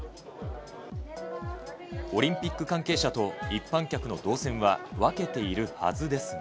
オリンピック関係者と一般客の動線は分けているはずですが。